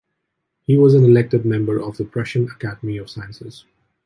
He was an elected member of the Prussian Academy of Sciences.